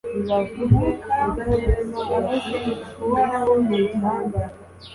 Umwuka wahoze mu isi mbere na mbere,